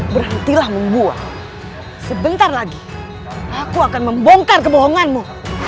berhentilah membuang sebentar lagi aku akan membongkar kebohonganmu